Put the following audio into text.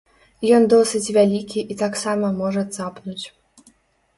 Ён досыць вялікі і таксама можа цапнуць.